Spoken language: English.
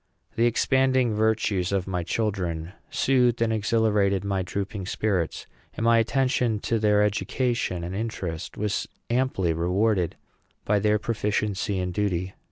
The expanding virtues of my children soothed and exhilarated my drooping spirits, and my attention to their education and interest was amply rewarded by their proficiency and duty.